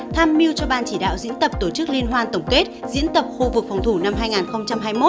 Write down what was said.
tham mưu cho ban chỉ đạo diễn tập tổ chức liên hoan tổng kết diễn tập khu vực phòng thủ năm hai nghìn hai mươi một